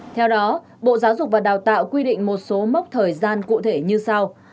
theo đó bộ giáo dục và đào tạo quy định một số mốc thời gian cụ thể như sau